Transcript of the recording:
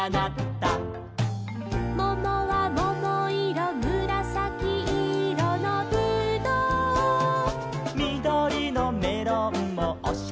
「ももはももいろむらさきいろのぶどう」「みどりのメロンもおしゃれだね」